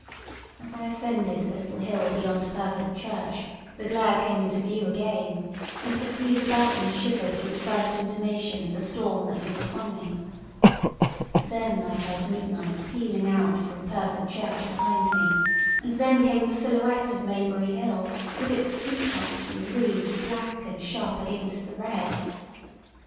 As I ascended the little hill beyond Pyrford Church the glare came into view again, and the trees about me shivered with the first intimation of the storm that was upon me. Then I heard midnight pealing out from Pyrford Church behind me, and then came the silhouette of Maybury Hill, with its tree tops and roofs black and sharp against the red.